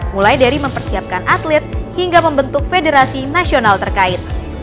mulai dari mempersiapkan atlet hingga membentuk federasi nasional terkait